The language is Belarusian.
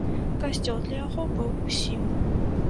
Касцёл для яго быў усім.